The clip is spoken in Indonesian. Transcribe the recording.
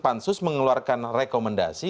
pansus mengeluarkan rekomendasi